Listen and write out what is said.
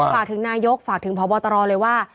ฝากถึงนายกฝากถึงพบตรเลยว่า